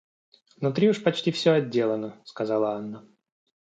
Внутри уж почти всё отделано, — сказала Анна.